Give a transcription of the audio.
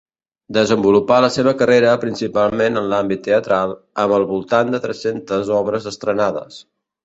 Desenvolupà la seva carrera principalment en l'àmbit teatral, amb al voltant de tres-centes obres estrenades.